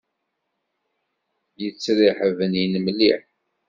Yettriḥ bnin mliḥ.